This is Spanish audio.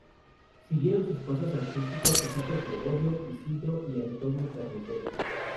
Siguieron sus pasos artísticos sus hijos Gregorio, Isidro y Antonio Carnicero.